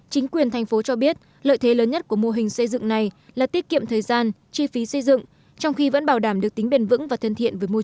chính quyền thành phố cho biết lợi thế lớn nhất của mô hình xây dựng này là tiết kiệm thời gian chi phí xây dựng trong khi vẫn bảo đảm được tính bền vững và thân thiện với môi trường